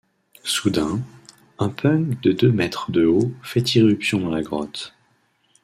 Soudain, un Phung de deux mètres de haut fait irruption dans la grotte.